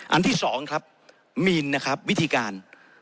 อันที่สองครับมีนนะครับวิธีการ